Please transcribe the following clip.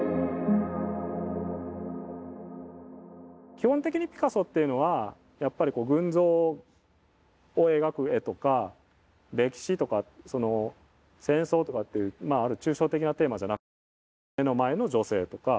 基本的にピカソっていうのはやっぱり群像を描く絵とか歴史とかその戦争とかっていうまあある抽象的なテーマじゃなくて目の前の女性とかそのギターとかね